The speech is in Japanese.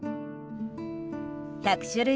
１００種類